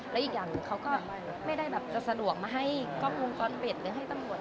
แล้วอีกอย่างเขาก็ไม่ได้แบบจะสะดวกมาให้ก๊อบวงตอนเบรษหรือให้ตำรวจ